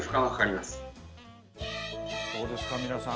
どうですか皆さん。